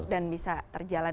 dan bisa terjalan